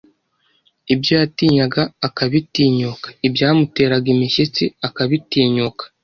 ibyo yatinyaga akabitinyuka ibyamuteraga imishyitsi akabitinyuka